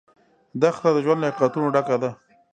دښته د ژوند له حقیقتونو ډکه ده.